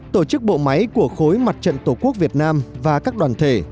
tổ chức bộ máy của khối mặt trận tổ quốc việt nam và các đoàn thể